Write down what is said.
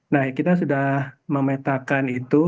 nah kita sudah memetakan itu